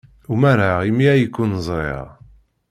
Umareɣ imi ay ken-ẓriɣ.